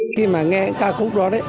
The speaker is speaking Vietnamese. khi mà nghe ca khúc đó